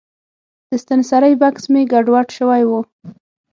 د ستنسرۍ بکس مې ګډوډ شوی و.